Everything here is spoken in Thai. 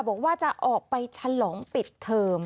บอกว่าจะออกไปฉลองปิดเทอม